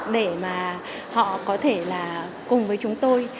để mà họ có thể là cùng với chúng tôi